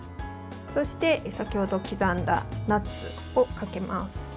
そして先ほど刻んだナッツをかけます。